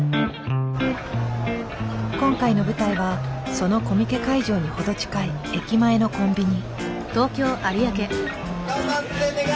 今回の舞台はそのコミケ会場に程近い駅前のコンビニ。